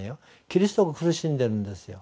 キリストが苦しんでるんですよ。